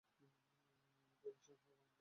তিনি সাংহাই গমন করেন।